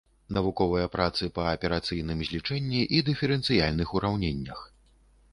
Навуковыя працы па аперацыйным злічэнні і дыферэнцыяльных ураўненнях.